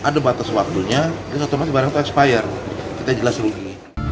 ada batas waktunya dan otomatis barang terakhir kita jelas rugi